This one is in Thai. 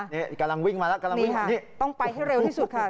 เนี่ยกำลังวิ่งมาแล้วต้องไปให้เร็วที่สุดค่ะ